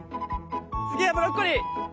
次はブロッコリー。